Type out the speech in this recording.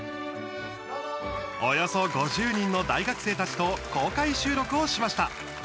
およそ５０人の大学生たちと公開収録をしました。